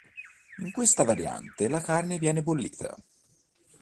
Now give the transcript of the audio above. In questa variante la carne viene bollita.